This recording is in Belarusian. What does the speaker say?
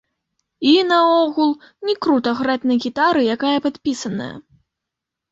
І наогул, не крута граць на гітары, якая падпісаная.